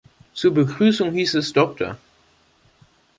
Zur Begründung hieß es: „Dr.